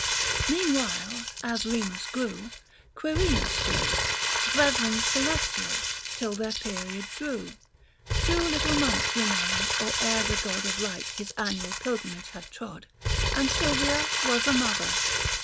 Meantime as Remus grew, Quirinus grew, 45 Brethren celestial, till their period drew. Two little months remained or ere the god Of light his annual pilgrimage had trod, And Sylvia was a mother.